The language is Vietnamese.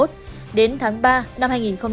đến tháng ba năm hai nghìn hai mươi hai